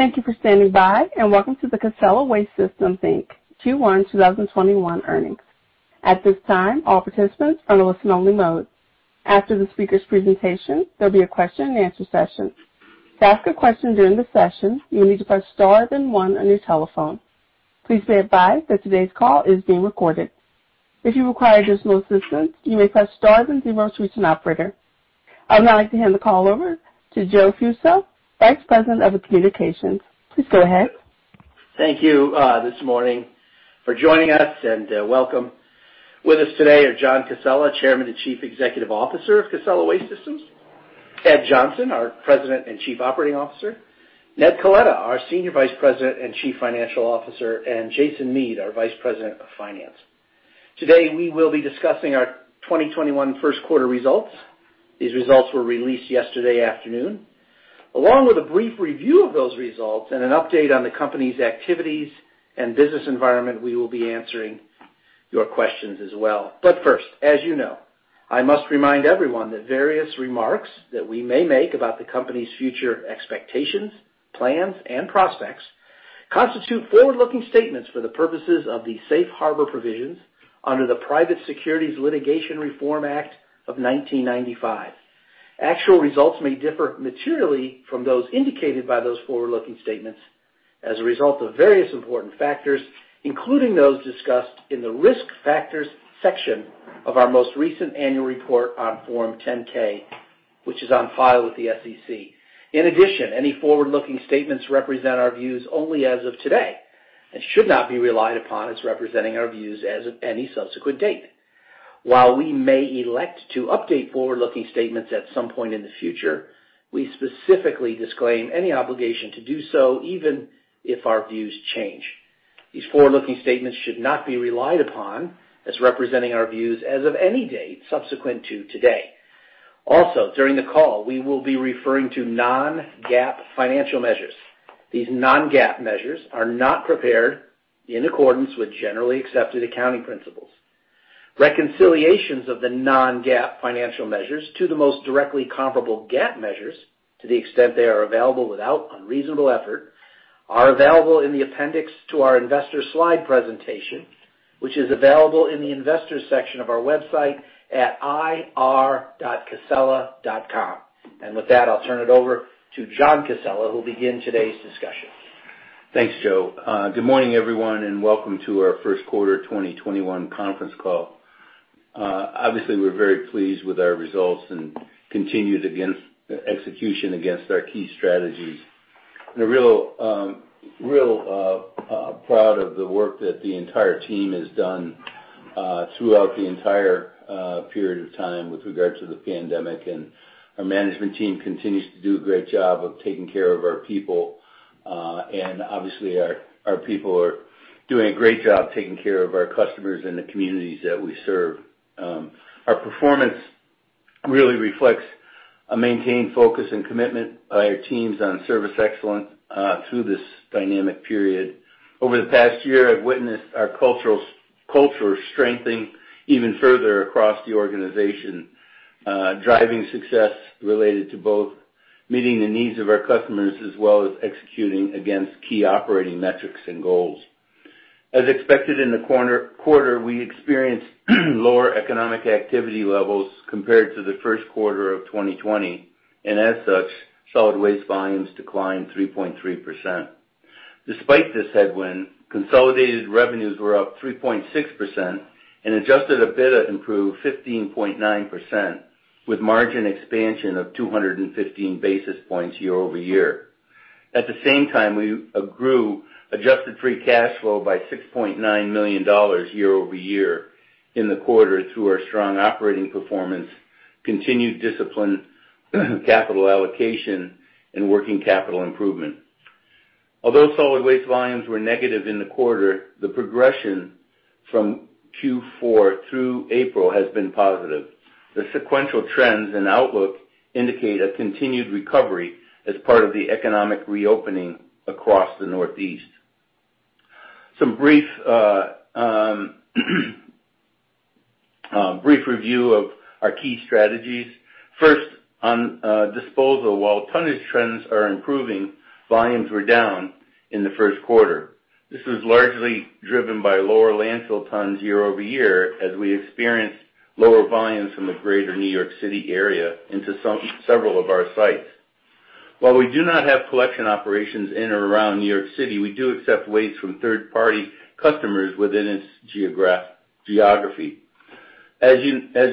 Thank you for standing by, and welcome to the Casella Waste Systems, Inc. Q1 2021 earnings. At this time, all participants are in listen only mode. After the speaker's presentation, there will be a question and answer session. To ask a question during the session, you will need to press star then one on your telephone. Please be advised that today's call is being recorded. If you require additional assistance, you may press star then zero to reach an operator. I would now like to hand the call over to Joseph Fusco, Vice President of Communications. Please go ahead. Thank you this morning for joining us, and welcome. With us today are John Casella, Chairman and Chief Executive Officer of Casella Waste Systems, Edwin D. Johnson, our President and Chief Operating Officer, Edmond R. Coletta, our Senior Vice President and Chief Financial Officer, and Jason Mead, our Vice President of Finance. Today, we will be discussing our 2021 first quarter results. These results were released yesterday afternoon. Along with a brief review of those results and an update on the company's activities and business environment, we will be answering your questions as well. First, as you know, I must remind everyone that various remarks that we may make about the company's future expectations, plans, and prospects constitute forward-looking statements for the purposes of the safe harbor provisions under the Private Securities Litigation Reform Act of 1995. Actual results may differ materially from those indicated by those forward-looking statements as a result of various important factors, including those discussed in the Risk Factors section of our most recent annual report on Form 10-K, which is on file with the SEC. Any forward-looking statements represent our views only as of today and should not be relied upon as representing our views as of any subsequent date. While we may elect to update forward-looking statements at some point in the future, we specifically disclaim any obligation to do so even if our views change. These forward-looking statements should not be relied upon as representing our views as of any date subsequent to today. During the call, we will be referring to non-GAAP financial measures. These non-GAAP measures are not prepared in accordance with generally accepted accounting principles. Reconciliations of the non-GAAP financial measures to the most directly comparable GAAP measures, to the extent they are available without unreasonable effort, are available in the appendix to our investor slide presentation, which is available in the Investors section of our website at ir.casella.com. With that, I'll turn it over to John Casella, who'll begin today's discussion. Thanks, Joe. Good morning, everyone, welcome to our first quarter 2021 conference call. Obviously, we're very pleased with our results and continued execution against our key strategies. We're real proud of the work that the entire team has done throughout the entire period of time with regard to the pandemic, and our management team continues to do a great job of taking care of our people. Obviously, our people are doing a great job taking care of our customers and the communities that we serve. Our performance really reflects a maintained focus and commitment by our teams on service excellence through this dynamic period. Over the past year, I've witnessed our culture strengthening even further across the organization, driving success related to both meeting the needs of our customers as well as executing against key operating metrics and goals. As expected in the quarter, we experienced lower economic activity levels compared to the first quarter of 2020, and as such, solid waste volumes declined 3.3%. Despite this headwind, consolidated revenues were up 3.6%, and adjusted EBITDA improved 15.9%, with margin expansion of 215 basis points year-over-year. At the same time, we grew adjusted free cash flow by $6.9 million year-over-year in the quarter through our strong operating performance, continued disciplined capital allocation, and working capital improvement. Although solid waste volumes were negative in the quarter, the progression from Q4 through April has been positive. The sequential trends and outlook indicate a continued recovery as part of the economic reopening across the Northeast. Some brief review of our key strategies. First, on disposal. While tonnage trends are improving, volumes were down in the first quarter. This was largely driven by lower landfill tons year-over-year, as we experienced lower volumes from the greater New York City area into several of our sites. While we do not have collection operations in or around New York City, we do accept waste from third-party customers within its geography. As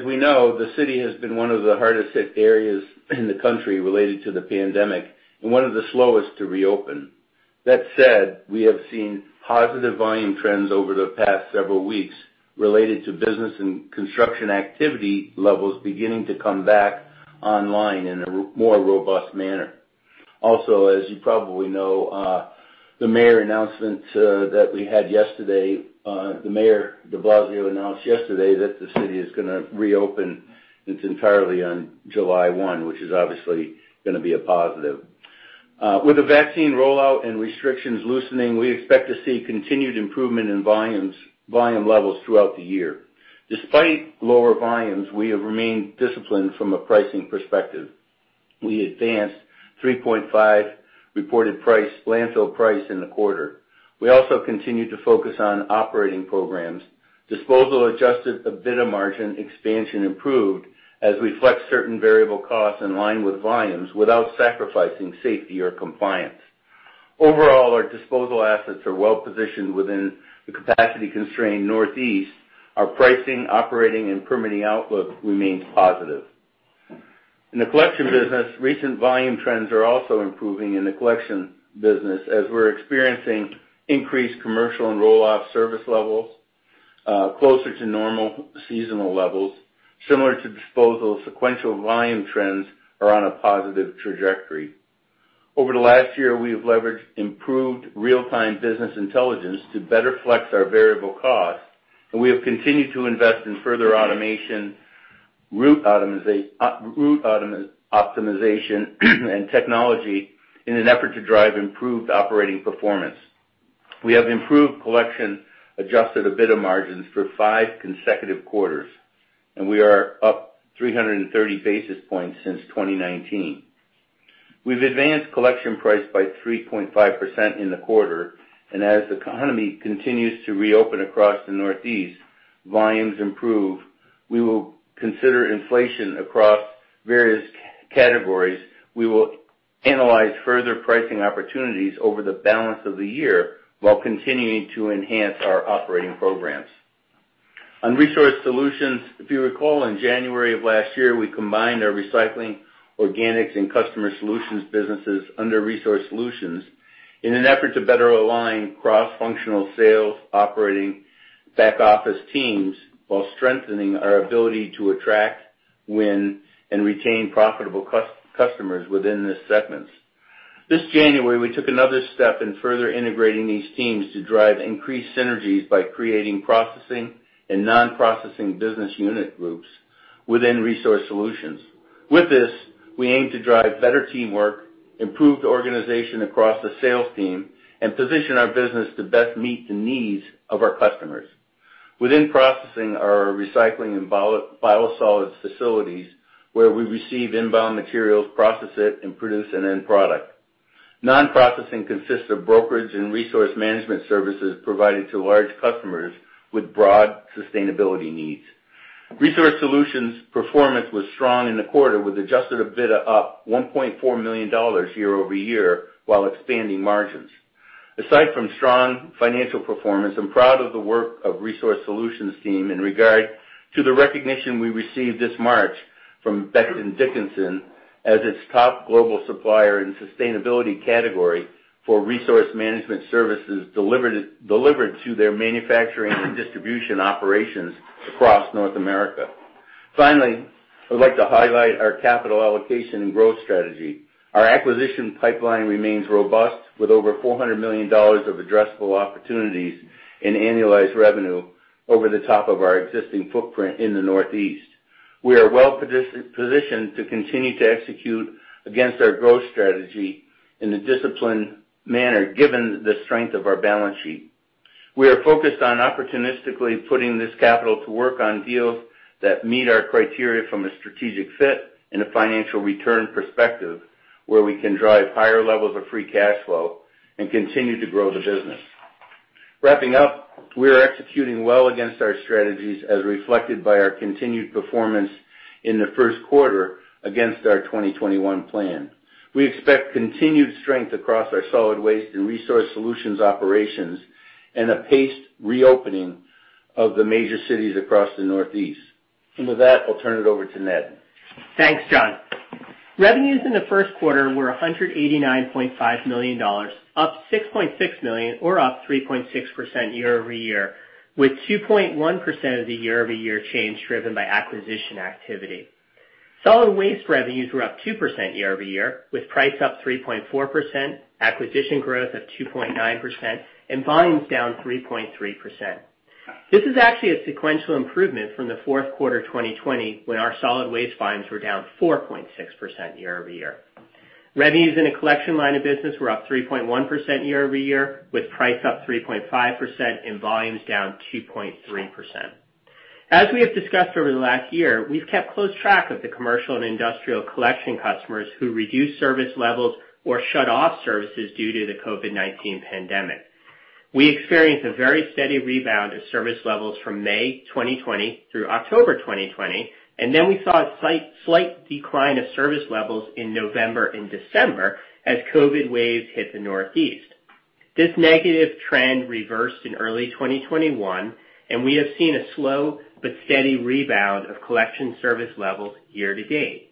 we know, the city has been one of the hardest hit areas in the country related to the pandemic and one of the slowest to reopen. We have seen positive volume trends over the past several weeks related to business and construction activity levels beginning to come back online in a more robust manner. As you probably know, Mayor de Blasio announced yesterday that the city is going to reopen entirely on July 1, which is obviously going to be a positive. With the vaccine rollout and restrictions loosening, we expect to see continued improvement in volume levels throughout the year. Despite lower volumes, we have remained disciplined from a pricing perspective. We advanced 3.5% reported price, landfill price in the quarter. We also continued to focus on operating programs. Disposal adjusted EBITDA margin expansion improved as we flex certain variable costs in line with volumes without sacrificing safety or compliance. Overall, our disposal assets are well-positioned within the capacity-constrained Northeast. Our pricing, operating, and permitting outlook remains positive. In the collection business, recent volume trends are also improving in the collection business, as we're experiencing increased commercial and roll-off service levels closer to normal seasonal levels. Similar to disposal, sequential volume trends are on a positive trajectory. Over the last year, we have leveraged improved real-time business intelligence to better flex our variable costs. We have continued to invest in further automation, route optimization, and technology in an effort to drive improved operating performance. We have improved collection adjusted EBITDA margins for five consecutive quarters. We are up 330 basis points since 2019. We've advanced collection price by 3.5% in the quarter. As the economy continues to reopen across the Northeast, volumes improve. We will consider inflation across various categories. We will analyze further pricing opportunities over the balance of the year while continuing to enhance our operating programs. On Resource Solutions, if you recall, in January of last year, we combined our recycling, organics, and customer solutions businesses under Resource Solutions in an effort to better align cross-functional sales, operating, back office teams, while strengthening our ability to attract, win, and retain profitable customers within these segments. This January, we took another step in further integrating these teams to drive increased synergies by creating processing and non-processing business unit groups within Resource Solutions. With this, we aim to drive better teamwork, improve the organization across the sales team, and position our business to best meet the needs of our customers. Within processing are our recycling and biosolids facilities, where we receive inbound materials, process it, and produce an end product. Non-processing consists of brokerage and resource management services provided to large customers with broad sustainability needs. Resource Solutions performance was strong in the quarter, with adjusted EBITDA up $1.4 million year-over-year while expanding margins. Aside from strong financial performance, I'm proud of the work of Resource Solutions team in regard to the recognition we received this March from Becton Dickinson as its top global supplier in sustainability category for resource management services delivered to their manufacturing and distribution operations across North America. Finally, I'd like to highlight our capital allocation and growth strategy. Our acquisition pipeline remains robust with over $400 million of addressable opportunities in annualized revenue over the top of our existing footprint in the Northeast. We are well-positioned to continue to execute against our growth strategy in a disciplined manner, given the strength of our balance sheet. We are focused on opportunistically putting this capital to work on deals that meet our criteria from a strategic fit and a financial return perspective, where we can drive higher levels of free cash flow and continue to grow the business. Wrapping up, we are executing well against our strategies as reflected by our continued performance in the first quarter against our 2021 plan. We expect continued strength across our solid waste and Resource Solutions operations and a paced reopening of the major cities across the Northeast. With that, I'll turn it over to Ned. Thanks, John. Revenues in the first quarter were $189.5 million, up $6.6 million or up 3.6% year-over-year, with 2.1% of the year-over-year change driven by acquisition activity. Solid waste revenues were up 2% year-over-year, with price up 3.4%, acquisition growth of 2.9%, and volumes down 3.3%. This is actually a sequential improvement from the fourth quarter 2020, when our solid waste volumes were down 4.6% year-over-year. Revenues in the collection line of business were up 3.1% year-over-year, with price up 3.5% and volumes down 2.3%. As we have discussed over the last year, we've kept close track of the commercial and industrial collection customers who reduced service levels or shut off services due to the COVID-19 pandemic. We experienced a very steady rebound of service levels from May 2020 through October 2020, we saw a slight decline of service levels in November and December as COVID waves hit the Northeast. This negative trend reversed in early 2021, we have seen a slow but steady rebound of collection service levels year to date.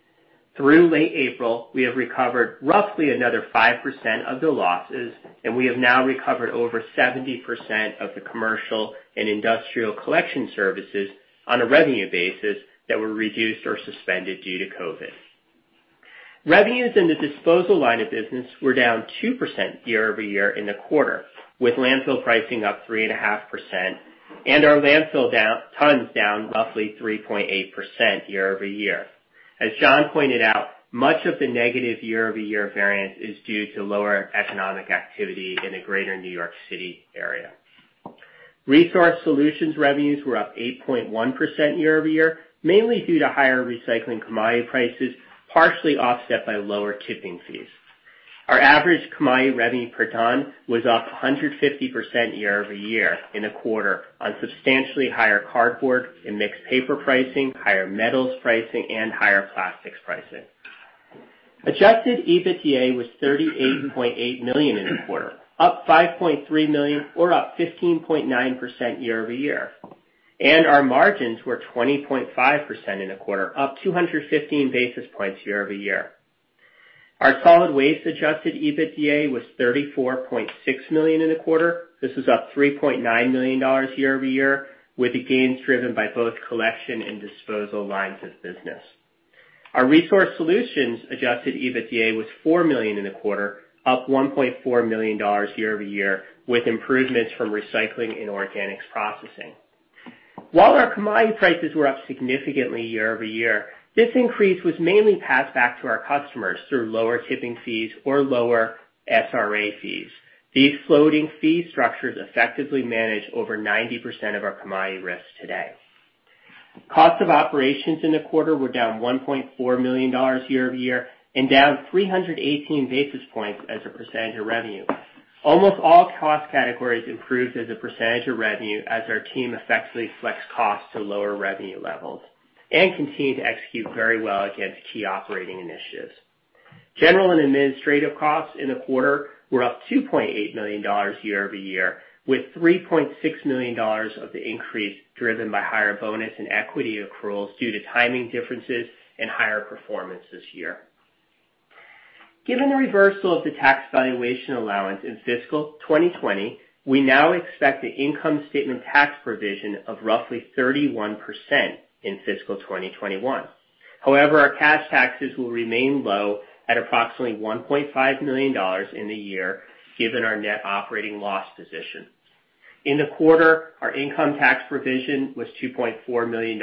Through late April, we have recovered roughly another 5% of the losses, we have now recovered over 70% of the commercial and industrial collection services on a revenue basis that were reduced or suspended due to COVID. Revenues in the disposal line of business were down 2% year-over-year in the quarter, with landfill pricing up 3.5% and our landfill tons down roughly 3.8% year-over-year. As John pointed out, much of the negative year-over-year variance is due to lower economic activity in the greater New York City area. Resource Solutions revenues were up 8.1% year-over-year, mainly due to higher recycling commodity prices, partially offset by lower tipping fees. Our average commodity revenue per ton was up 150% year-over-year in the quarter on substantially higher cardboard and mixed paper pricing, higher metals pricing, and higher plastics pricing. Adjusted EBITDA was $38.8 million in the quarter, up $5.3 million or up 15.9% year-over-year. Our margins were 20.5% in the quarter, up 215 basis points year-over-year. Our solid waste adjusted EBITDA was $34.6 million in the quarter. This was up $3.9 million year-over-year, with the gains driven by both collection and disposal lines of business. Our Resource Solutions adjusted EBITDA was $4 million in the quarter, up $1.4 million year-over-year, with improvements from recycling and organics processing. While our commodity prices were up significantly year-over-year, this increase was mainly passed back to our customers through lower tipping fees or lower SRA fees. These floating fee structures effectively manage over 90% of our commodity risk today. Cost of operations in the quarter were down $1.4 million year-over-year, and down 318 basis points as a percentage of revenue. Almost all cost categories improved as a percentage of revenue as our team effectively flexed costs to lower revenue levels and continued to execute very well against key operating initiatives. General and administrative costs in the quarter were up $2.8 million year-over-year, with $3.6 million of the increase driven by higher bonus and equity accruals due to timing differences and higher performance this year. Given the reversal of the tax valuation allowance in fiscal 2020, we now expect an income statement tax provision of roughly 31% in fiscal 2021. However, our cash taxes will remain low at approximately $1.5 million in the year, given our net operating loss position. In the quarter, our income tax provision was $2.4 million.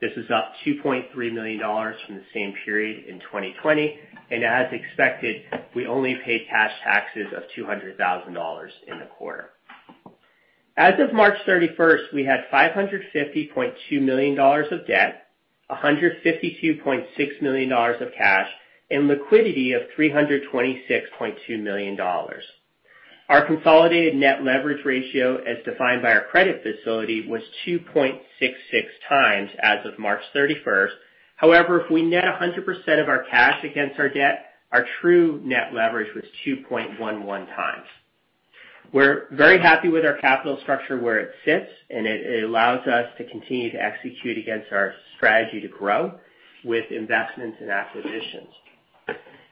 This is up $2.3 million from the same period in 2020. As expected, we only paid cash taxes of $200,000 in the quarter. As of March 31st, we had $550.2 million of debt, $152.6 million of cash, and liquidity of $326.2 million. Our consolidated net leverage ratio, as defined by our credit facility, was 2.66x as of March 31st. However, if we net 100% of our cash against our debt, our true net leverage was 2.11x. We're very happy with our capital structure where it sits, and it allows us to continue to execute against our strategy to grow with investments and acquisitions.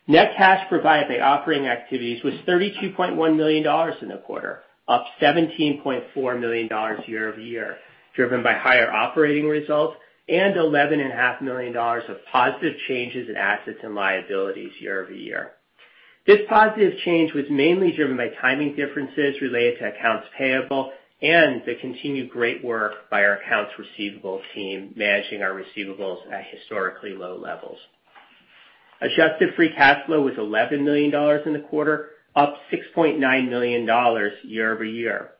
Net cash provided by operating activities was $32.1 million in the quarter, up $17.4 million year-over-year, driven by higher operating results and $11.5 million of positive changes in assets and liabilities year-over-year. This positive change was mainly driven by timing differences related to accounts payable and the continued great work by our accounts receivable team, managing our receivables at historically low levels. Adjusted free cash flow was $11 million in the quarter, up $6.9 million year-over-year.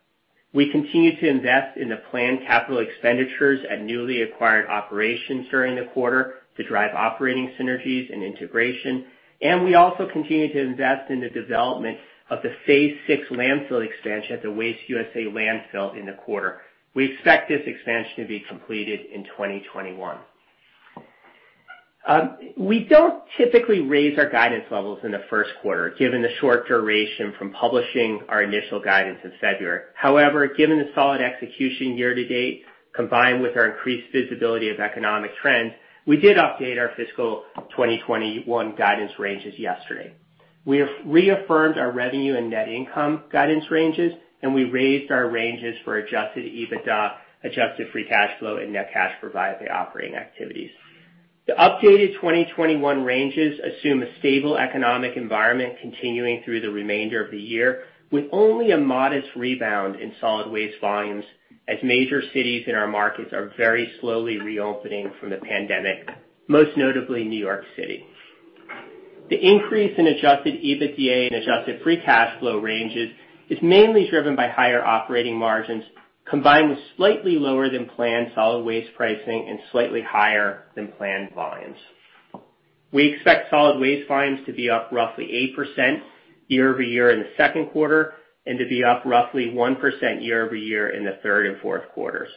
We continue to invest in the planned capital expenditures at newly acquired operations during the quarter to drive operating synergies and integration, and we also continue to invest in the development of the phase 6 landfill expansion at the WasteUSA landfill in the quarter. We expect this expansion to be completed in 2021. We don't typically raise our guidance levels in the first quarter, given the short duration from publishing our initial guidance in February. However, given the solid execution year-to-date, combined with our increased visibility of economic trends, we did update our fiscal 2021 guidance ranges yesterday. We have reaffirmed our revenue and net income guidance ranges, and we raised our ranges for adjusted EBITDA, adjusted free cash flow, and net cash provided by operating activities. The updated 2021 ranges assume a stable economic environment continuing through the remainder of the year, with only a modest rebound in solid waste volumes as major cities in our markets are very slowly reopening from the pandemic, most notably New York City. The increase in adjusted EBITDA and adjusted free cash flow ranges is mainly driven by higher operating margins, combined with slightly lower than planned solid waste pricing and slightly higher than planned volumes. We expect solid waste volumes to be up roughly 8% year-over-year in the second quarter and to be up roughly 1% year-over-year in the third and fourth quarters.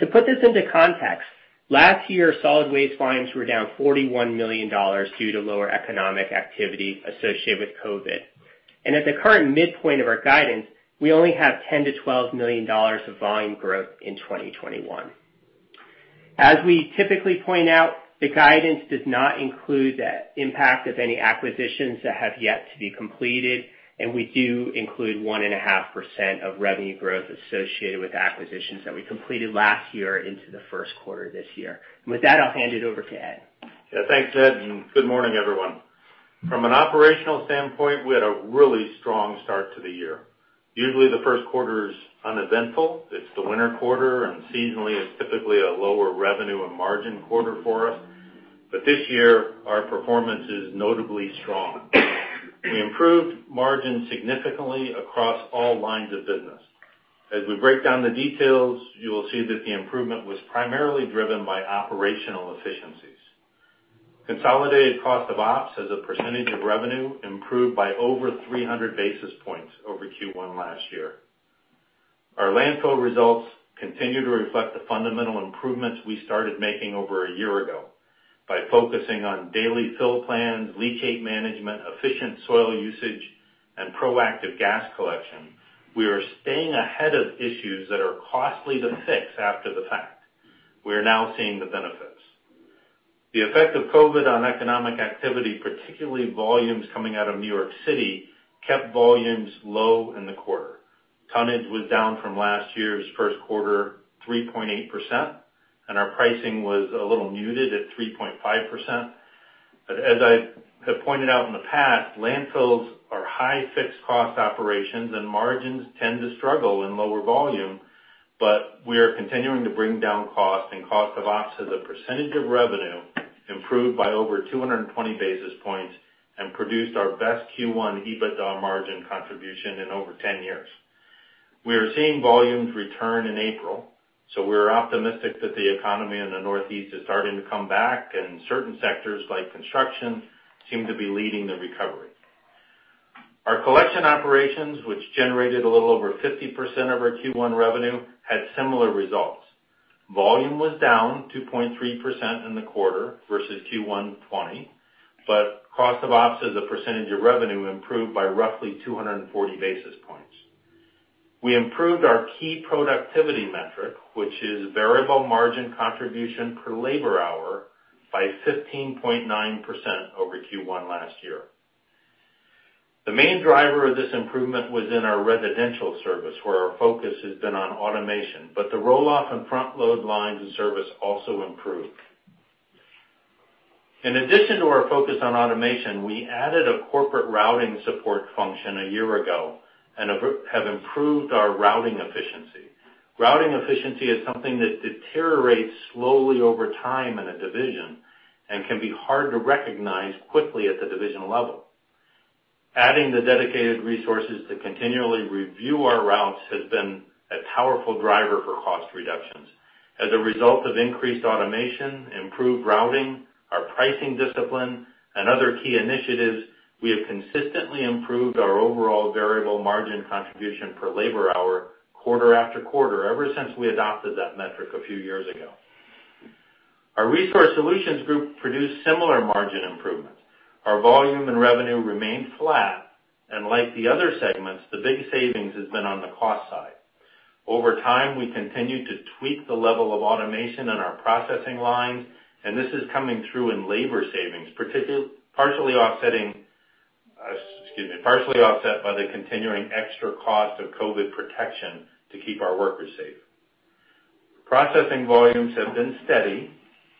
To put this into context, last year, solid waste volumes were down $41 million due to lower economic activity associated with COVID. At the current midpoint of our guidance, we only have $10 million-$12 million of volume growth in 2021. As we typically point out, the guidance does not include the impact of any acquisitions that have yet to be completed, and we do include 1.5% of revenue growth associated with acquisitions that we completed last year into the first quarter this year. With that, I'll hand it over to Ed. Thanks, Ned. Good morning, everyone. From an operational standpoint, we had a really strong start to the year. Usually, the first quarter is uneventful. It's the winter quarter. Seasonally, it's typically a lower revenue and margin quarter for us. This year, our performance is notably strong. We improved margin significantly across all lines of business. As we break down the details, you will see that the improvement was primarily driven by operational efficiencies. Consolidated cost of ops as a percentage of revenue improved by over 300 basis points over Q1 last year. Our landfill results continue to reflect the fundamental improvements we started making over a year ago by focusing on daily fill plans, leachate management, efficient soil usage, and proactive gas collection. We are staying ahead of issues that are costly to fix after the fact. We are now seeing the benefits. The effect of COVID on economic activity, particularly volumes coming out of New York City, kept volumes low in the quarter. Tonnage was down from last year's first quarter 3.8%. Our pricing was a little muted at 3.5%. As I have pointed out in the past, landfills are high fixed cost operations, and margins tend to struggle in lower volume, but we are continuing to bring down cost and cost of ops as a percentage of revenue improved by over 220 basis points and produced our best Q1 EBITDA margin contribution in over 10 years. We are seeing volumes return in April. We are optimistic that the economy in the Northeast is starting to come back, and certain sectors, like construction, seem to be leading the recovery. Our collection operations, which generated a little over 50% of our Q1 revenue, had similar results. Volume was down 2.3% in the quarter versus Q1 2020, but cost of ops as a percentage of revenue improved by roughly 240 basis points. We improved our key productivity metric, which is variable margin contribution per labor hour, by 15.9% over Q1 last year. The main driver of this improvement was in our residential service, where our focus has been on automation, but the roll-off and front load lines of service also improved. In addition to our focus on automation, we added a corporate routing support function a year ago and have improved our routing efficiency. Routing efficiency is something that deteriorates slowly over time in a division and can be hard to recognize quickly at the division level. Adding the dedicated resources to continually review our routes has been a powerful driver for cost reductions. As a result of increased automation, improved routing, our pricing discipline, and other key initiatives, we have consistently improved our overall variable margin contribution per labor hour, quarter after quarter, ever since we adopted that metric a few years ago. Our Resource Solutions Group produced similar margin improvements. Our volume and revenue remained flat, and like the other segments, the big savings has been on the cost side. Over time, we continued to tweak the level of automation in our processing lines, and this is coming through in labor savings, partially offset by the continuing extra cost of COVID protection to keep our workers safe. Processing volumes have been steady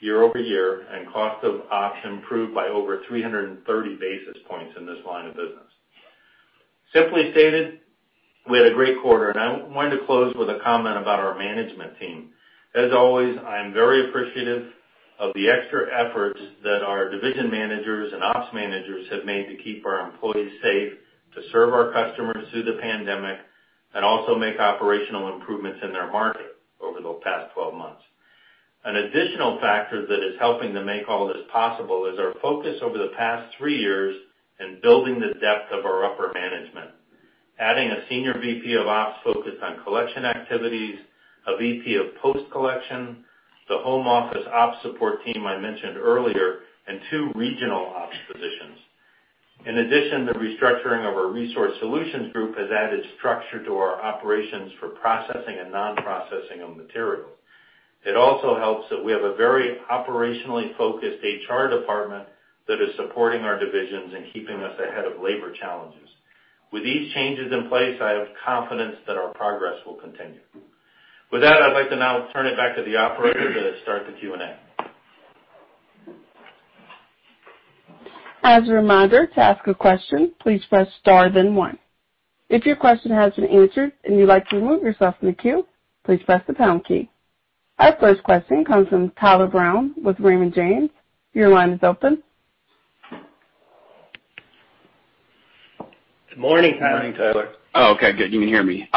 year-over-year, and cost of ops improved by over 330 basis points in this line of business. Simply stated, we had a great quarter, and I wanted to close with a comment about our management team. As always, I am very appreciative of the extra efforts that our division managers and ops managers have made to keep our employees safe, to serve our customers through the pandemic. Also make operational improvements in their market over those past 12 months. An additional factor that is helping to make all this possible is our focus over the past three years in building the depth of our upper management, adding a senior VP of ops focused on collection activities, a VP of post-collection, the home office ops support team I mentioned earlier, and two regional ops positions. In addition, the restructuring of our Resource Solutions Group has added structure to our operations for processing and non-processing of materials. It also helps that we have a very operationally focused HR department that is supporting our divisions and keeping us ahead of labor challenges. With these changes in place, I have confidence that our progress will continue. With that, I'd like to now turn it back to the operator to start the Q&A. As a reminder, to ask a question, please press star then one. If your question has been answered and you'd like to remove yourself from the queue, please press the pound key. Our first question comes from Tyler Brown with Raymond James. Your line is open. Morning, Tyler. Morning, Tyler. Oh, okay, good. You can hear me.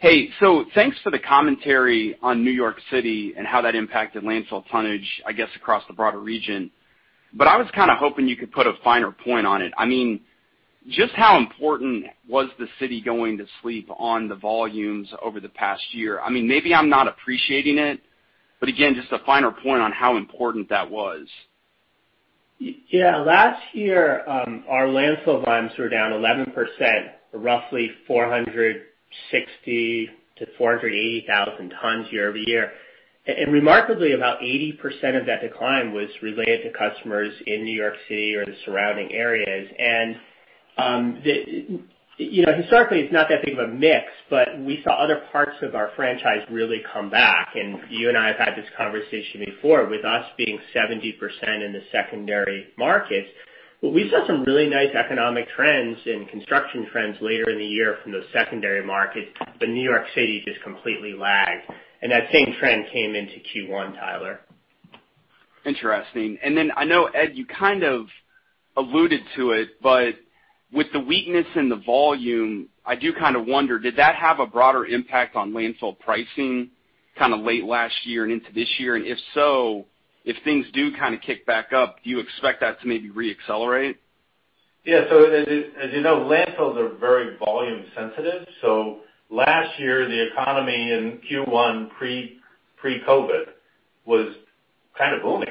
Hey, thanks for the commentary on New York City and how that impacted landfill tonnage, I guess, across the broader region. I was kind of hoping you could put a finer point on it. I mean, just how important was the city going to sleep on the volumes over the past year? I mean, maybe I'm not appreciating it. Again, just a finer point on how important that was. Yeah. Last year, our landfill volumes were down 11%, or roughly 460,000-480,000 tons year-over-year. Remarkably, about 80% of that decline was related to customers in New York City or the surrounding areas. Historically, it's not that big of a mix, but we saw other parts of our franchise really come back. You and I have had this conversation before, with us being 70% in the secondary markets, but we saw some really nice economic trends and construction trends later in the year from those secondary markets, but New York City just completely lagged, and that same trend came into Q1, Tyler. Interesting. I know, Ed, you kind of alluded to it, but with the weakness in the volume, I do kind of wonder, did that have a broader impact on landfill pricing late last year and into this year? If so, if things do kind of kick back up, do you expect that to maybe re-accelerate? Yeah. As you know, landfills are very volume sensitive. Last year, the economy in Q1 pre-COVID was kind of booming.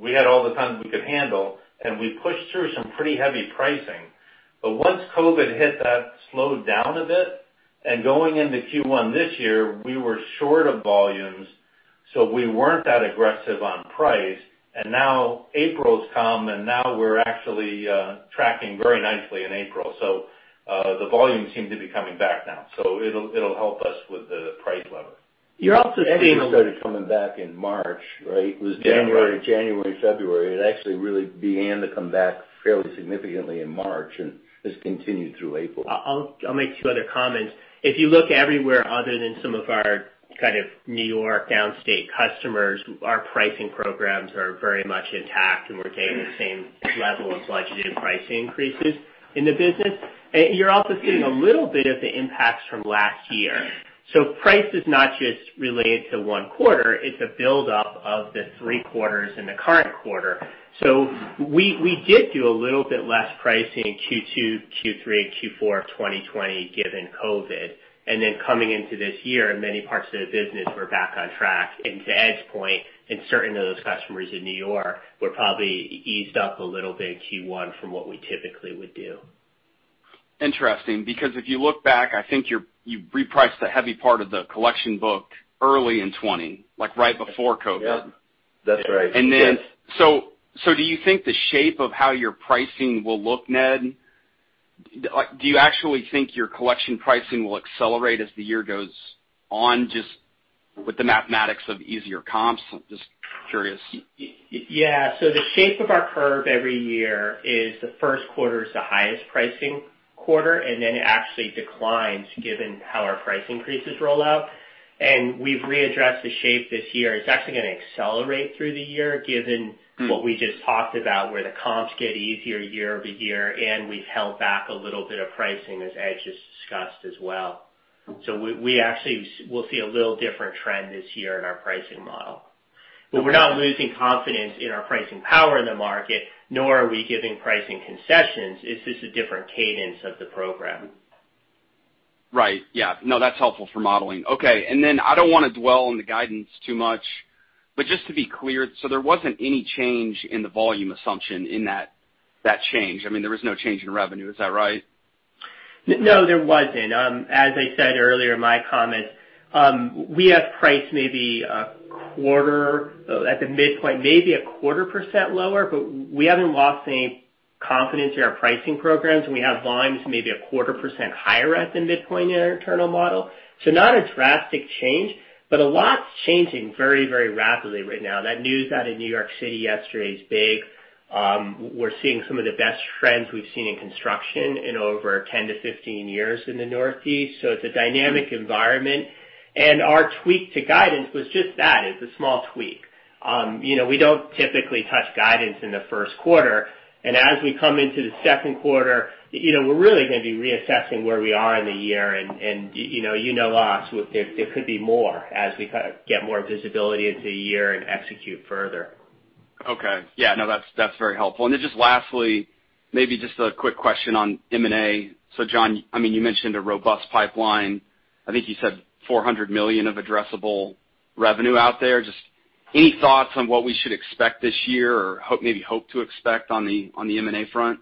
We had all the tons we could handle, and we pushed through some pretty heavy pricing. Once COVID hit, that slowed down a bit, and going into Q1 this year, we were short of volumes, so we weren't that aggressive on price. Now April's come, and now we're actually tracking very nicely in April, so the volume seemed to be coming back now. It'll help us with the price level. You're also seeing- Ned, it started coming back in March, right? Yeah. Right. It was January, February. It actually really began to come back fairly significantly in March, and it's continued through April. I'll make two other comments. If you look everywhere other than some of our kind of New York, downstate customers, our pricing programs are very much intact, and we're getting the same level of legitimate pricing increases in the business. You're also seeing a little bit of the impacts from last year. Price is not just related to one quarter, it's a buildup of the three quarters in the current quarter. We did do a little bit less pricing in Q2, Q3, and Q4 of 2020, given COVID. Coming into this year, many parts of the business were back on track. To Ed's point, certain of those customers in New York were probably eased up a little bit in Q1 from what we typically would do. Interesting. If you look back, I think you repriced the heavy part of the collection book early in 2020, like right before COVID. Yep. That's right. Do you think the shape of how your pricing will look, Ned? Do you actually think your collection pricing will accelerate as the year goes on, just with the mathematics of easier comps? Just curious. Yeah. The shape of our curve every year is the first quarter is the highest pricing quarter, and then it actually declines given how our price increases roll out. We've readdressed the shape this year. It's actually going to accelerate through the year given what we just talked about, where the comps get easier year-over-year, and we've held back a little bit of pricing, as Ed just discussed as well. We actually will see a little different trend this year in our pricing model. We're not losing confidence in our pricing power in the market, nor are we giving pricing concessions. It's just a different cadence of the program. Right. Yeah. No, that's helpful for modeling. Okay. Then I don't want to dwell on the guidance too much, but just to be clear, so there wasn't any change in the volume assumption in that change. I mean, there was no change in revenue, is that right? No, there wasn't. As I said earlier in my comments, we have priced maybe at the midpoint, maybe a quarter percent lower, but we haven't lost any confidence in our pricing programs, and we have volumes maybe a quarter percent higher at the midpoint in our internal model. Not a drastic change, but a lot's changing very rapidly right now. That news out of New York City yesterday is big. We're seeing some of the best trends we've seen in construction in over 10-15 years in the Northeast. It's a dynamic environment. Our tweak to guidance was just that. It's a small tweak. We don't typically touch guidance in the first quarter, and as we come into the second quarter, we're really going to be reassessing where we are in the year, and you know us, there could be more as we kind of get more visibility into the year and execute further. Okay. Yeah, no, that's very helpful. Then just lastly, maybe just a quick question on M&A. John, you mentioned a robust pipeline. I think you said $400 million of addressable revenue out there. Just any thoughts on what we should expect this year or maybe hope to expect on the M&A front?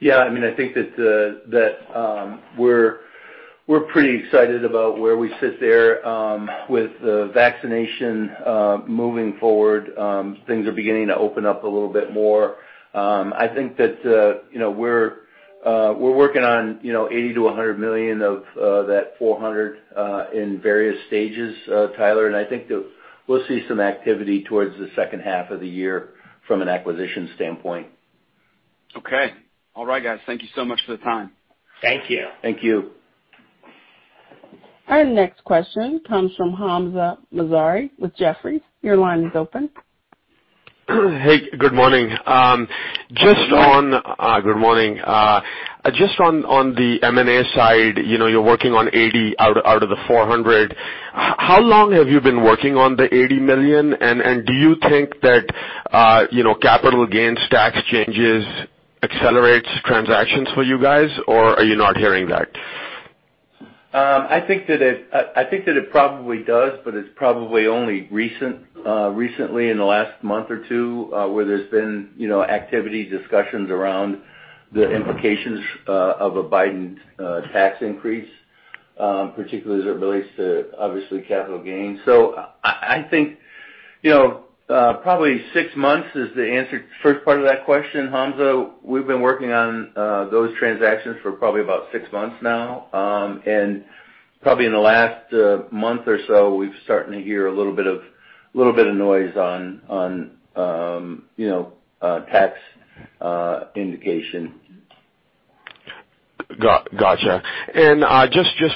I think that we're pretty excited about where we sit there. With the vaccination moving forward, things are beginning to open up a little bit more. I think that we're working on $80 million to $100 million of that $400 million in various stages, Tyler, and I think that we'll see some activity towards the second half of the year from an acquisition standpoint. Okay. All right, guys. Thank you so much for the time. Thank you. Thank you. Our next question comes from Hamzah Mazari with Jefferies. Your line is open. Hey, good morning. Good morning. Just on the M&A side, you're working on $80 out of the $400. How long have you been working on the $80 million? Do you think that capital gains tax changes accelerates transactions for you guys, or are you not hearing that? I think that it probably does, but it's probably only recently, in the last month or two, where there's been activity discussions around the implications of a Biden tax increase, particularly as it relates to, obviously, capital gains. Probably six months is the answer to the first part of that question, Hamzah. We've been working on those transactions for probably about six months now. Probably in the last month or so, we're starting to hear a little bit of noise on tax indication. Got you.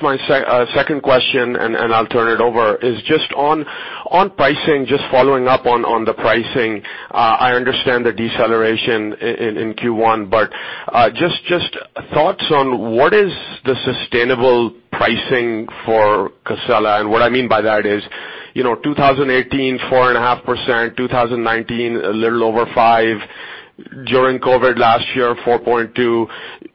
My second question, and I'll turn it over, is just on pricing. Just following up on the pricing. I understand the deceleration in Q1, just thoughts on what is the sustainable pricing for Casella. What I mean by that is, 2018, 4.5%, 2019, a little over 5%, during COVID last year, 4.2%.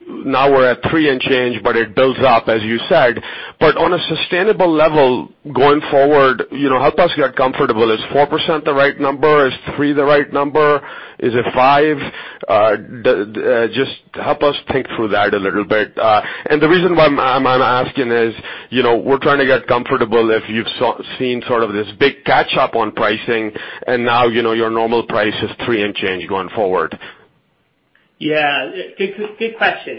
Now we're at 3% and change, it builds up, as you said. On a sustainable level, going forward, help us get comfortable. Is 4% the right number? Is 3% the right number? Is it 5%? Just help us think through that a little bit. The reason why I'm asking is, we're trying to get comfortable if you've seen sort of this big catch up on pricing and now your normal price is 3% and change going forward. Yeah. Good question.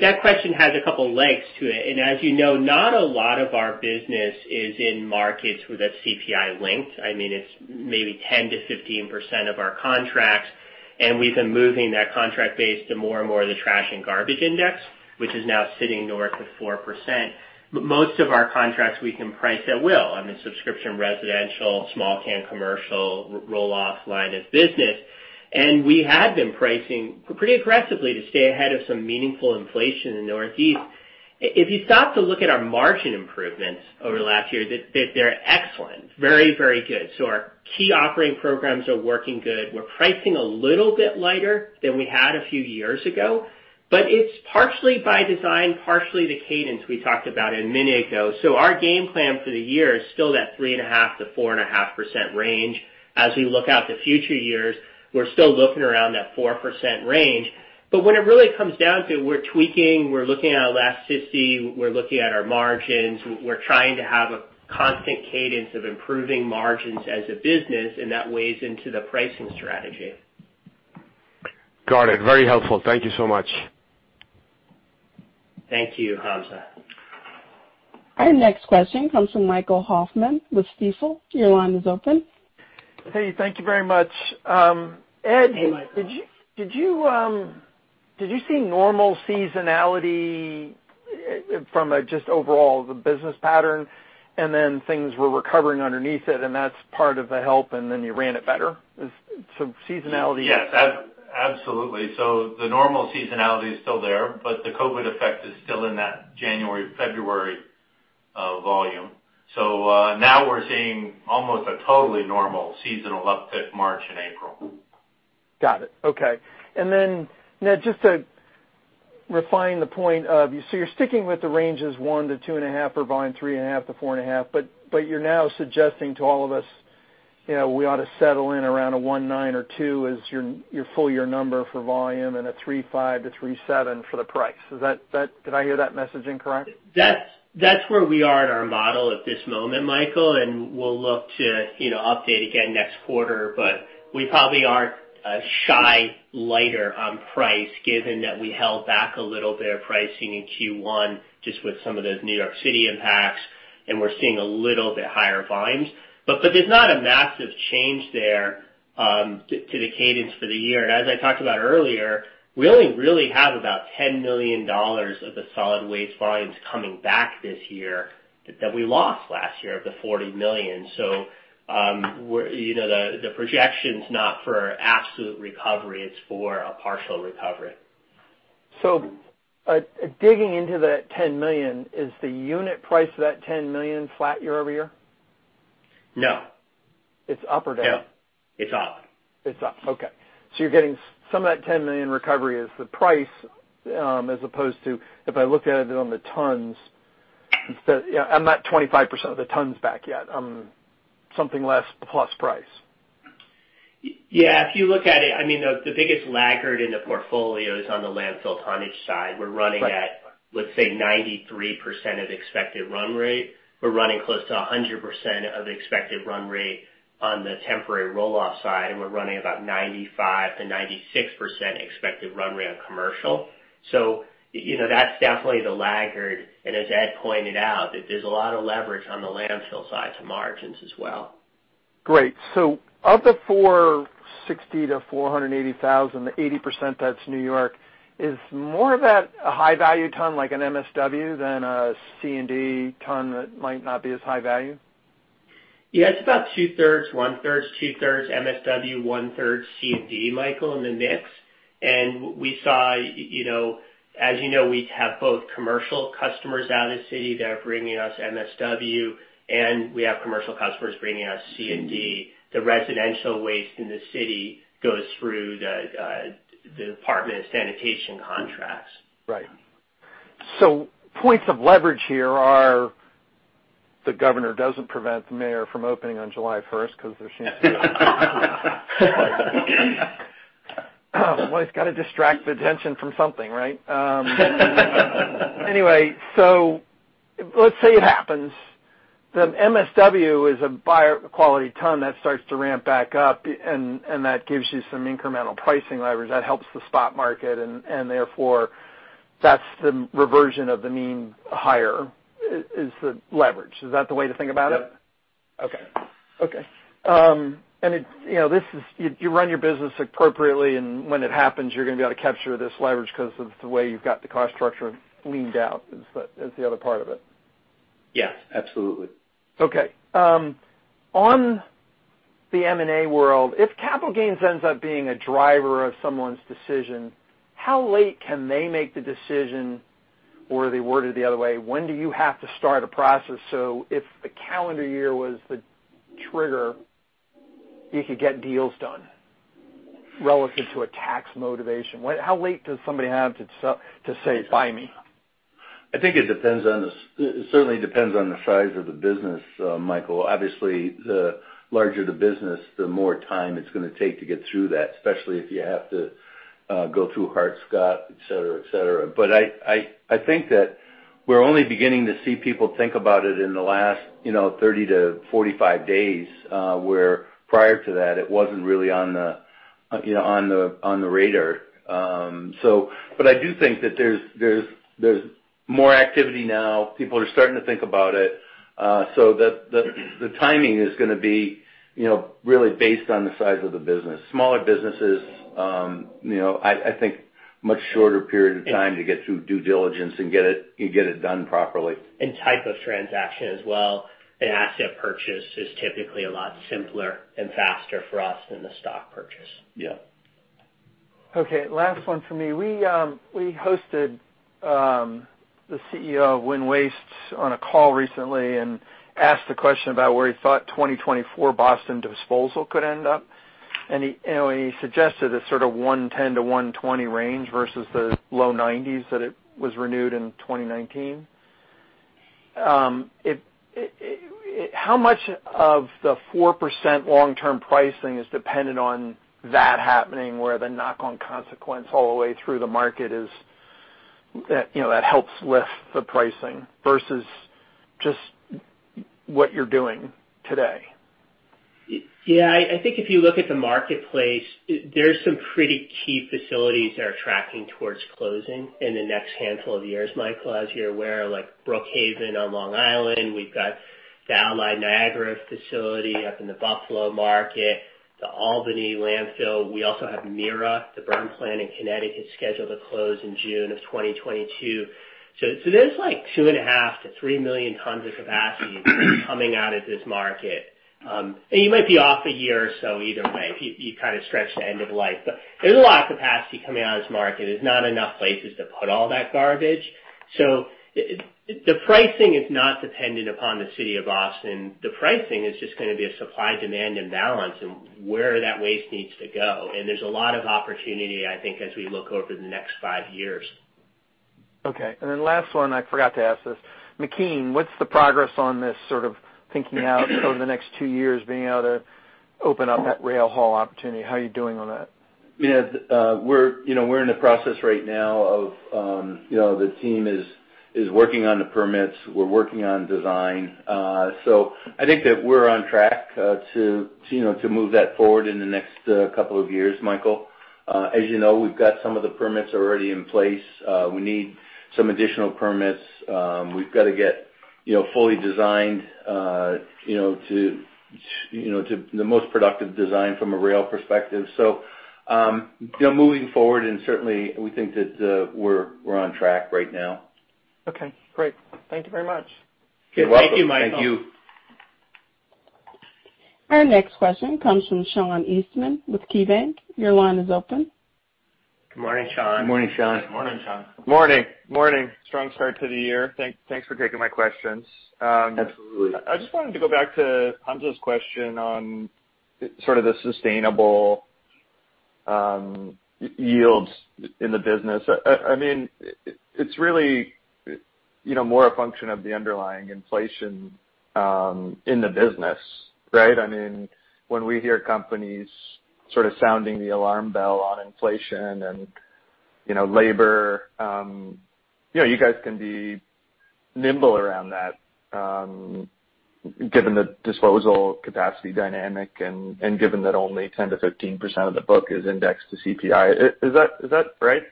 That question has a couple legs to it, and as you know, not a lot of our business is in markets that's CPI linked. It's maybe 10%-15% of our contracts, and we've been moving that contract base to more and more of the trash and garbage index, which is now sitting north of 4%. Most of our contracts we can price at will, subscription, residential, small can commercial, roll off line of business. We have been pricing pretty aggressively to stay ahead of some meaningful inflation in the Northeast. If you stop to look at our margin improvements over the last year, they're excellent. Very good. Our key operating programs are working good. We're pricing a little bit lighter than we had a few years ago, but it's partially by design, partially the cadence we talked about a minute ago. Our game plan for the year is still that 3.5%-4.5% range. As we look out to future years, we're still looking around that 4% range. What it really comes down to, we're tweaking, we're looking at elasticity, we're looking at our margins. We're trying to have a constant cadence of improving margins as a business, and that weighs into the pricing strategy. Got it. Very helpful. Thank you so much. Thank you, Hamzah. Our next question comes from Michael Hoffman with Stifel. Your line is open. Hey, thank you very much. Hey, Michael. Did you see normal seasonality from just overall the business pattern, and then things were recovering underneath it, and that's part of the help, and then you ran it better? Yes. Absolutely. The normal seasonality is still there, but the COVID effect is still in that January, February volume. Now we're seeing almost a totally normal seasonal uptick March and April. Got it. Okay. Ned, just to refine the point of So you're sticking with the ranges 1-2.5 for volume, 3.5-4.5, but you're now suggesting to all of us, we ought to settle in around a 1.9 or 2 as your full year number for volume and a 3.5-3.7 for the price. Did I hear that messaging correct? That's where we are at our model at this moment, Michael, and we'll look to update again next quarter. We probably aren't shy lighter on price given that we held back a little bit of pricing in Q1 just with some of those New York City impacts, and we're seeing a little bit higher volumes. There's not a massive change there to the cadence for the year. As I talked about earlier, we only really have about $10 million of the solid waste volumes coming back this year that we lost last year of the $40 million. The projection's not for absolute recovery, it's for a partial recovery. Digging into that $10 million, is the unit price of that $10 million flat year-over-year? No. It's up or down? No. It's up. It's up. Okay. You're getting some of that $10 million recovery is the price, as opposed to if I looked at it on the tons, instead I'm not 25% of the tons back yet. Something less plus price. If you look at it, the biggest laggard in the portfolio is on the landfill tonnage side. We're running at, let's say, 93% of expected run rate. We're running close to 100% of expected run rate on the temporary roll-off side, and we're running about 95%-96% expected run rate on commercial. That's definitely the laggard, and as Ed pointed out, that there's a lot of leverage on the landfill side to margins as well. Great. Of the 460,000-480,000, the 80% that's New York, is more of that a high-value ton like an MSW than a C&D ton that might not be as high value? Yeah, it's about 2/3. One-third, 2/3 MSW, 1/3 C&D, Michael and in the mix. And we saw, you know, as you know, we have both commercial customers out of the city that are bringing us MSW, and we have commercial customers bringing us C&D. The residential waste in the city goes through the Department of Sanitation contracts. Right. Points of leverage here are the governor doesn't prevent the mayor from opening on July 1st because there seems to be Well, it's got to distract attention from something, right? Anyway, let's say it happens. The MSW is a buyer quality ton that starts to ramp back up, and that gives you some incremental pricing leverage that helps the spot market, and therefore that's the reversion of the mean higher, is the leverage. Is that the way to think about it? Yeah. Okay. You run your business appropriately, and when it happens, you're going to be able to capture this leverage because of the way you've got the cost structure leaned out, is the other part of it. Yes, absolutely. Okay. On the M&A world, if capital gains ends up being a driver of someone's decision, how late can they make the decision? They word it the other way, when do you have to start a process, so if the calendar year was the trigger, you could get deals done relative to a tax motivation? How late does somebody have to say, "Buy me? I think it certainly depends on the size of the business, Michael. Obviously, the larger the business, the more time it's going to take to get through that, especially if you have to go through Hart-Scott-Rodino, et cetera. I think that we're only beginning to see people think about it in the last 30 to 45 days, where prior to that, it wasn't really on the radar. I do think that there's more activity now. People are starting to think about it. The timing is going to be really based on the size of the business. Smaller businesses, I think, much shorter period of time to get through due diligence and get it done properly. Type of transaction as well. An asset purchase is typically a lot simpler and faster for us than the stock purchase. Yeah. Okay, last one for me. We hosted the CEO of WIN Waste on a call recently and asked a question about where he thought 2024 Boston disposal could end up, and he suggested a sort of $110-$120 range versus the low $90s that it was renewed in 2019. How much of the 4% long-term pricing is dependent on that happening, where the knock-on consequence all the way through the market is that helps lift the pricing versus just what you're doing today? Yeah. I think if you look at the marketplace, there's some pretty key facilities that are tracking towards closing in the next handful of years, Michael. As you're aware, like Brookhaven on Long Island, we've got the Allied Niagara facility up in the Buffalo market, the Albany landfill. We also have MIRA, the burn plant in Connecticut, scheduled to close in June of 2022. There's like 2.5 To 3 million tons of capacity coming out of this market. You might be off a year or so either way if you kind of stretch the end of life. There's a lot of capacity coming out of this market. There's not enough places to put all that garbage. The pricing is not dependent upon the city of Boston. The pricing is just going to be a supply-demand imbalance and where that waste needs to go. There's a lot of opportunity, I think, as we look over the next five years. Okay. Last one, I forgot to ask this. McKean, what's the progress on this sort of thinking out over the next two years, being able to open up that rail haul opportunity? How are you doing on that? Yeah. We're in the process right now of the team is working on the permits. We're working on design. I think that we're on track to move that forward in the next couple of years, Michael. As you know, we've got some of the permits already in place. We need some additional permits. We've got to get the most productive design from a rail perspective. Moving forward and certainly, we think that we're on track right now. Okay, great. Thank you very much. You're welcome. Thank you, Michael. Thank you. Our next question comes from Sean Eastman with KeyBanc. Your line is open. Good morning, Sean. Good morning, Sean. Good morning, Sean. Morning. Strong start to the year. Thanks for taking my questions. Absolutely. I just wanted to go back to Hamzah's question on sort of the sustainable yields in the business. It's really more a function of the underlying inflation in the business, right? When we hear companies sort of sounding the alarm bell on inflation and labor, you guys can be nimble around that, given the disposal capacity dynamic and given that only 10%-15% of the book is indexed to CPI. Is that right?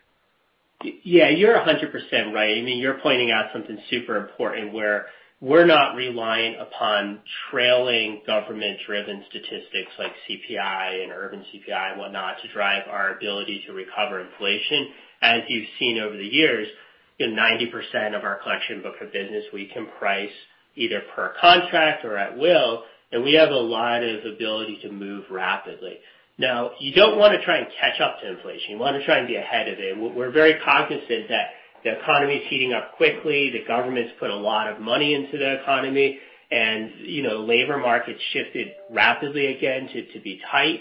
Yeah, you're 100% right. You're pointing out something super important where we're not relying upon trailing government-driven statistics like CPI and urban CPI and whatnot to drive our ability to recover inflation. As you've seen over the years, 90% of our collection book of business, we can price either per contract or at will, and we have a lot of ability to move rapidly. Now, you don't want to try and catch up to inflation. You want to try and be ahead of it. We're very cognizant that the economy is heating up quickly, the government's put a lot of money into the economy, and labor market shifted rapidly again to be tight.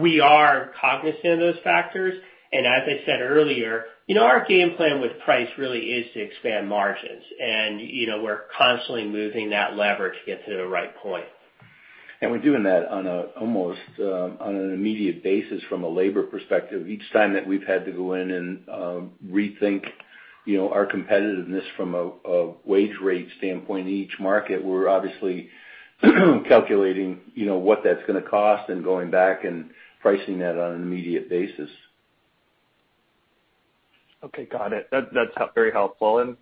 We are cognizant of those factors, and as I said earlier, our game plan with price really is to expand margins, and we're constantly moving that leverage to get to the right point. We're doing that on an almost immediate basis from a labor perspective. Each time that we've had to go in and rethink our competitiveness from a wage rate standpoint in each market, we're obviously calculating what that's going to cost and going back and pricing that on an immediate basis. Okay. Got it. That's very helpful.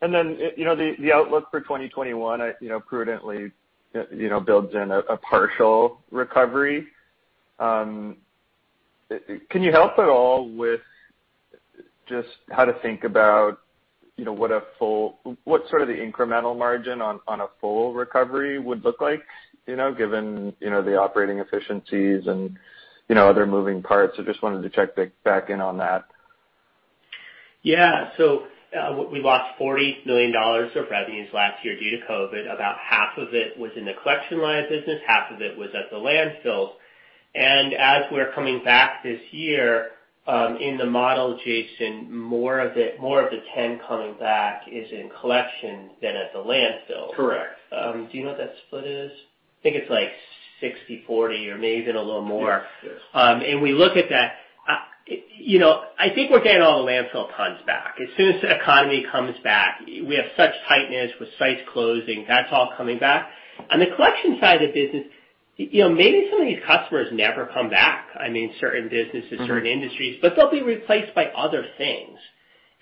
The outlook for 2021 prudently builds in a partial recovery. Can you help at all with just how to think about what sort of the incremental margin on a full recovery would look like, given the operating efficiencies and other moving parts? I just wanted to check back in on that. Yeah. We lost $40 million of revenues last year due to COVID. About half of it was in the collection line of business, half of it was at the landfills. As we're coming back this year, in the model, Jason, more of the 10 coming back is in collection than at the landfill. Correct. Do you know what that split is? I think it's like 60/40 or maybe even a little more. Yes. We look at that. I think we're getting all the landfill tons back. As soon as the economy comes back, we have such tightness with sites closing, that's all coming back. On the collection side of the business, maybe some of these customers never come back, certain businesses, certain industries, but they'll be replaced by other things.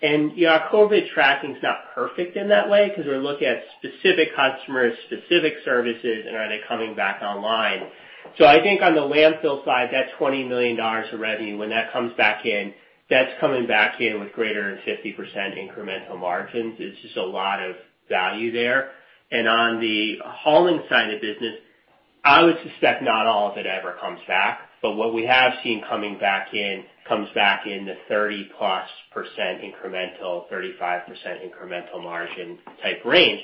Our COVID tracking's not perfect in that way, because we're looking at specific customers, specific services, and are they coming back online. I think on the landfill side, that $20 million of revenue, when that comes back in, that's coming back in with greater than 50% incremental margins. It's just a lot of value there. On the hauling side of the business, I would suspect not all of it ever comes back. What we have seen coming back in, comes back in the 30-plus% incremental, 35% incremental margin type range.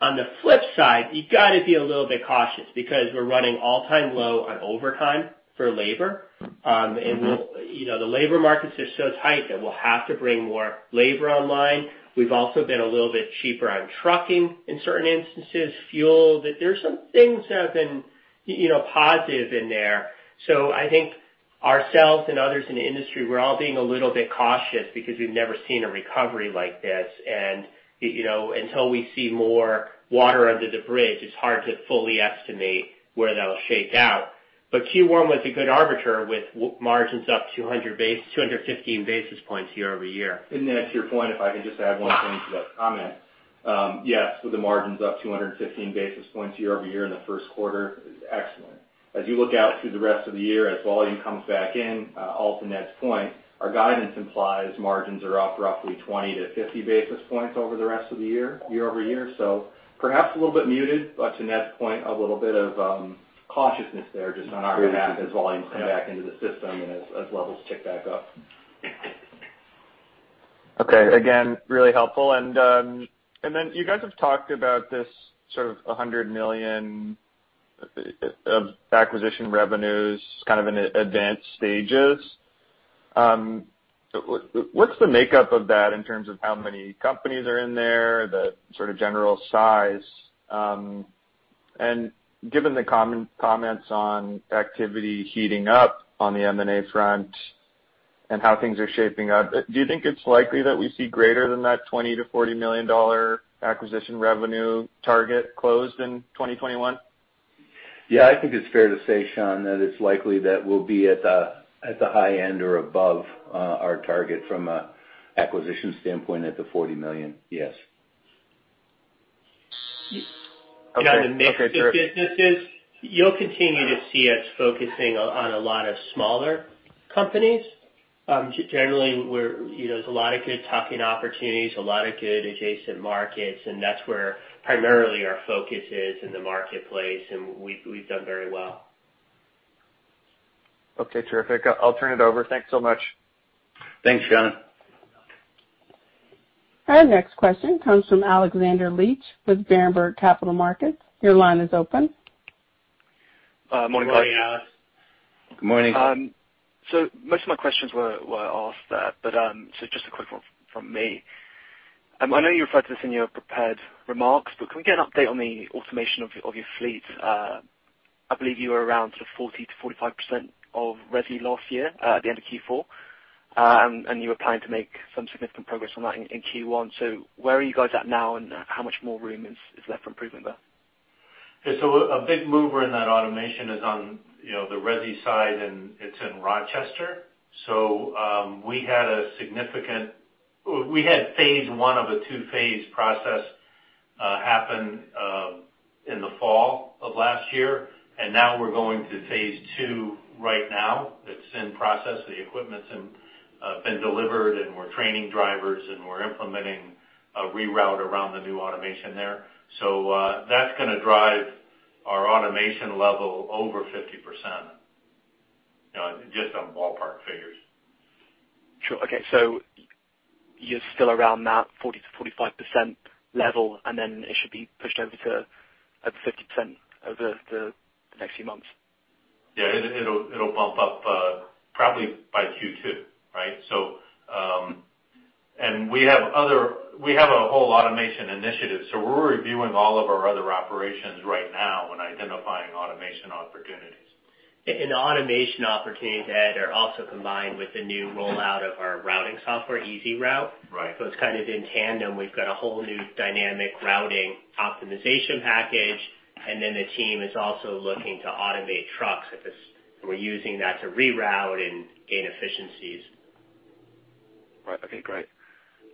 On the flip side, you've got to be a little bit cautious, because we're running all-time low on overtime for labor. The labor markets are so tight that we'll have to bring more labor online. We've also been a little bit cheaper on trucking in certain instances, fuel. There's some things that have been positive in there. I think ourselves and others in the industry, we're all being a little bit cautious because we've never seen a recovery like this. Until we see more water under the bridge, it's hard to fully estimate where that'll shake out. Q1 was a good arbiter with margins up 215 basis points year-over-year. To Ned's point, if I can just add one thing to that comment. Yeah. The margin's up 215 basis points year-over-year in the first quarter is excellent. As you look out through the rest of the year, as volume comes back in, all to Ned's point, our guidance implies margins are up roughly 20 basis points to 50 basis points over the rest of the year-over-year. Perhaps a little bit muted, but to Ned's point, a little bit of cautiousness there just on our behalf as volumes come back into the system and as levels tick back up. Okay. Again, really helpful. You guys have talked about this sort of $100 million of acquisition revenues kind of in advanced stages. What's the makeup of that in terms of how many companies are in there, the sort of general size? Given the comments on activity heating up on the M&A front and how things are shaping up, do you think it's likely that we see greater than that $20 million-$40 million acquisition revenue target closed in 2021? Yeah, I think it's fair to say, Sean, that it's likely that we'll be at the high end or above our target from an acquisition standpoint at the $40 million. Yes. Okay. Terrific. The businesses, you'll continue to see us focusing on a lot of smaller companies. Generally, there's a lot of good tuck-in opportunities, a lot of good adjacent markets, and that's where primarily our focus is in the marketplace, and we've done very well. Okay. Terrific. I'll turn it over. Thanks so much. Thanks, Sean. Our next question comes from Alexander Leach with Berenberg Capital Markets. Your line is open. Morning. Morning. Good morning. Most of my questions were asked, but just a quick one from me. I know you referred to this in your prepared remarks, but can we get an update on the automation of your fleet? I believe you were around sort of 40%-45% of resi last year, at the end of Q4, and you were planning to make some significant progress on that in Q1. Where are you guys at now, and how much more room is left for improvement there? A big mover in that automation is on the resi side, and it's in Rochester. We had phase I of a two-phase process happen in the fall of last year, and now we're going to phase II right now. It's in process. The equipment's been delivered, and we're training drivers, and we're implementing a reroute around the new automation there. That's going to drive our automation level over 50%, just on ballpark figures. Sure. Okay, you're still around that 40%-45% level, and then it should be pushed over to over 50% over the next few months? Yeah. It'll bump up probably by Q2, right? We have a whole automation initiative. We're reviewing all of our other operations right now and identifying automation opportunities. The automation opportunities, Ed, are also combined with the new rollout of our routing software, EasyRoute. Right. It's kind of in tandem. We've got a whole new dynamic routing optimization package, and then the team is also looking to automate trucks. We're using that to reroute and gain efficiencies. Right. Okay, great.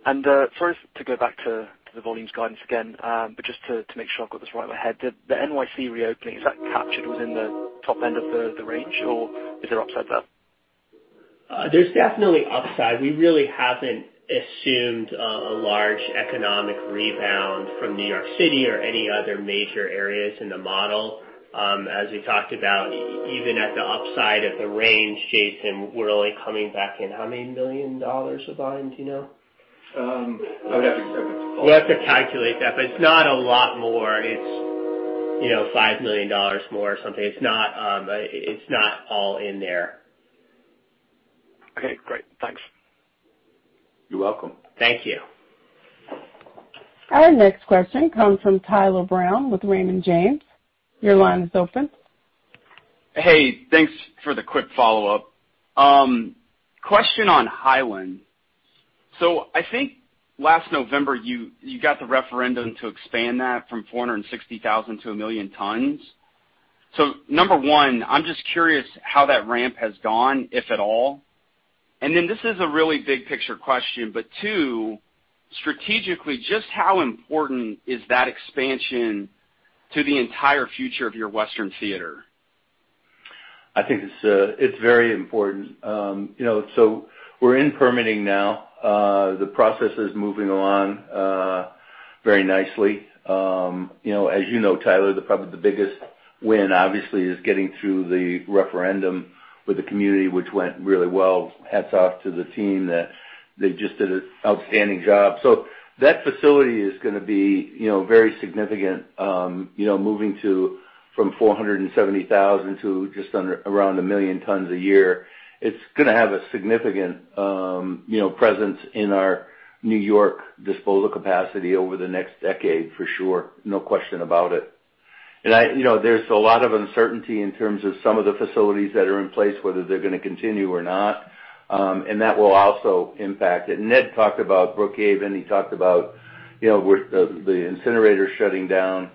Sorry to go back to the volumes guidance again, but just to make sure I've got this right in my head. The N.Y.C. reopening, is that captured within the top end of the range, or is there upside there? There's definitely upside. We really haven't assumed a large economic rebound from New York City or any other major areas in the model. As we talked about, even at the upside of the range, Jason, we're only coming back in how many million dollars of volume, do you know? I would have to calculate. You have to calculate that, but it's not a lot more. It's $5 million more or something. It's not all in there. Okay, great. Thanks. You're welcome. Thank you. Our next question comes from Patrick Tyler Brown with Raymond James. Hey, thanks for the quick follow-up. Question on Hyland. I think last November you got the referendum to expand that from 460,000 to 1 million tons. Number one, I'm just curious how that ramp has gone, if at all. This is a really big picture question, but two, strategically, just how important is that expansion to the entire future of your Western theater? I think it's very important. We're in permitting now. The process is moving along, very nicely. As you know, Tyler, probably the biggest win obviously is getting through the referendum with the community, which went really well. Hats off to the team that they just did an outstanding job. That facility is going to be very significant, moving from 470,000 to just around 1 million tons a year. It's going to have a significant presence in our New York disposal capacity over the next decade, for sure. No question about it. There's a lot of uncertainty in terms of some of the facilities that are in place, whether they're going to continue or not. That will also impact it. Ned talked about Brookhaven. He talked about the incinerator shutting down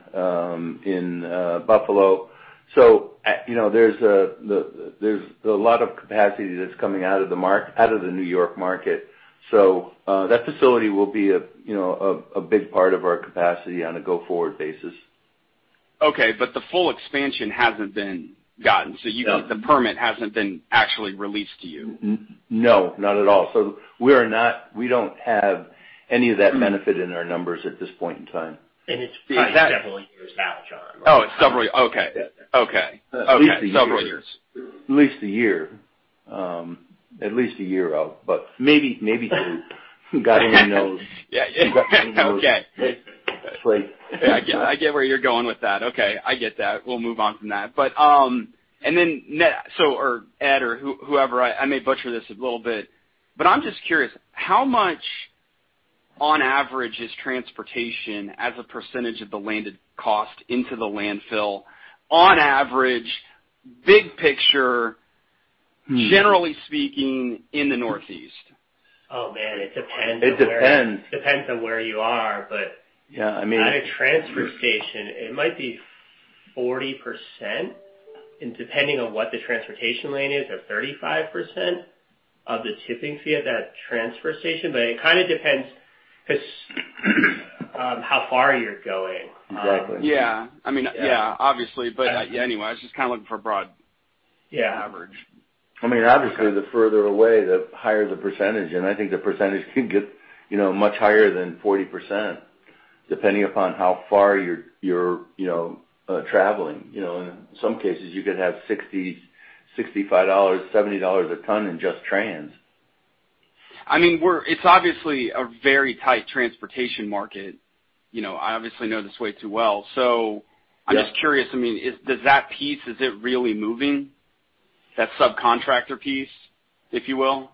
in Buffalo. There's a lot of capacity that's coming out of the New York market. That facility will be a big part of our capacity on a go-forward basis. Okay. The full expansion hasn't been gotten. No. The permit hasn't been actually released to you. No, not at all. We don't have any of that benefit in our numbers at this point in time. It's probably several years out, John. Okay. Several years. At least a year. At least a year out, but maybe two. God only knows. Yeah. Okay. It's like- I get where you're going with that. Okay, I get that. We'll move on from that. Ned, or Ed or whoever, I may butcher this a little bit, but I'm just curious, how much on average is transportation as a percentage of the landed cost into the landfill, on average, big picture, generally speaking, in the Northeast? Oh, man, it depends. It depends. It depends on where you are. Yeah, I mean- ...at a transfer station, it might be 40%, and depending on what the transportation lane is, or 35% of the tipping fee at that transfer station. It kind of depends, because how far you're going. Exactly. Yeah. Obviously, but anyway, I was just looking for a broad average. Obviously, the further away, the higher the percentage, and I think the percentage can get much higher than 40%, depending upon how far you're traveling. In some cases, you could have $60, $65, $70 a ton in just trans. It's obviously a very tight transportation market. I obviously know this way too well. I'm just curious, does that piece, is it really moving? That subcontractor piece, if you will?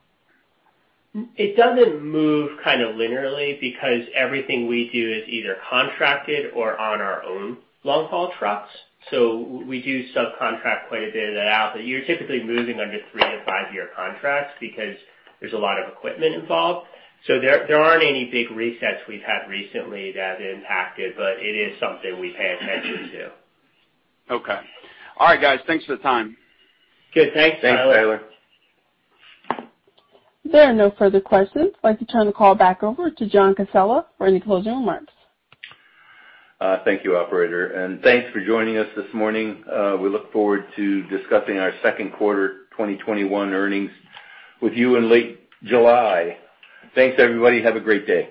It doesn't move kind of linearly because everything we do is either contracted or on our own long-haul trucks. We do subcontract quite a bit of that out. You're typically moving under three- to five-year contracts because there's a lot of equipment involved. There aren't any big resets we've had recently that impacted, but it is something we pay attention to. Okay. All right, guys. Thanks for the time. Good. Thanks, Tyler. Thanks, Tyler. There are no further questions. I'd like to turn the call back over to John Casella for any closing remarks. Thank you, operator, and thanks for joining us this morning. We look forward to discussing our second quarter 2021 earnings with you in late July. Thanks, everybody. Have a great day.